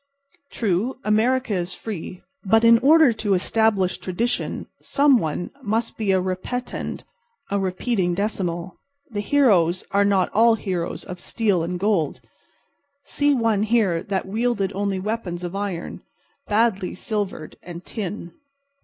True, America is free; but in order to establish tradition some one must be a repetend—a repeating decimal. The heroes are not all heroes of steel and gold. See one here that wielded only weapons of iron, badly silvered, and tin.